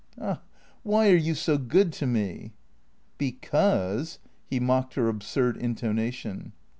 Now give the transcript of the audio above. " Ah, why are you so good to me ?"" Because "— he mocked her absurd intonation.